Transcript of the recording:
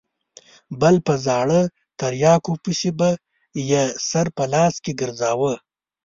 بل په زاړه تریاکو پسې به یې سر په لاس کې ګرځاوه.